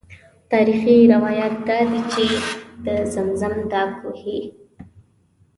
تاریخي روایات دادي چې د زمزم دا کوهی.